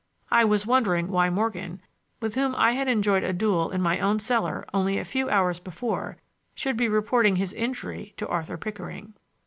I was wondering why Morgan, with whom I had enjoyed a duel in my own cellar only a few hours before, should be reporting his injury to Arthur Pickering.